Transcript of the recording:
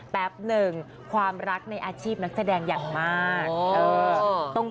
แป๊บหนึ่งความรักในอาชีพนักแสดงอย่างมาก